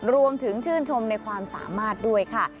รวมถึงชื่นชมในความสามารถด้วยค่ะ